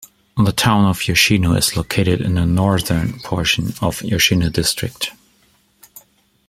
The town of Yoshino is located in the northern portion of Yoshino District.